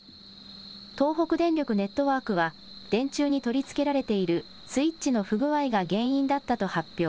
東北電力ネットワークは電柱に取り付けられているスイッチの不具合が原因だったと発表。